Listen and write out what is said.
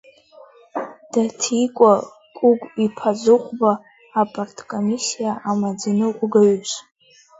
Даҭикәа Кәыгә-иԥа Зыхәба, апарткомисиа амаӡаныҟәгаҩс…